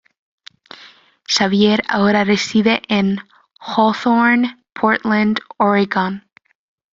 Xavier ahora reside en Hawthorne, Portland, Oregon.